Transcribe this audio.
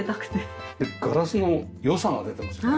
ガラスの良さが出てますよね。